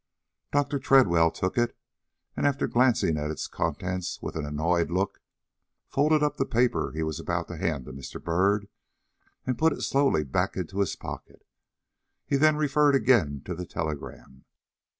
Dr. Tredwell took it, and, after glancing at its contents with an annoyed look, folded up the paper he was about to hand to Mr. Byrd and put it slowly back into his pocket. He then referred again to the telegram.